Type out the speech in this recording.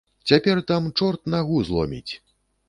Цяпер там чорт нагу зломіць!